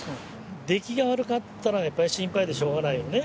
出来が悪かったらやっぱり心配でしょうがないよね。